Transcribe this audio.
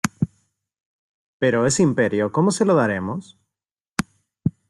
¿ pero ese Imperio cómo se lo daremos?